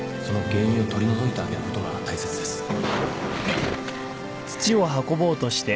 その原因を取り除いてあげることが大切です